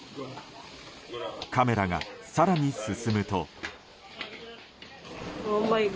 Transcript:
カメラが更に進むと。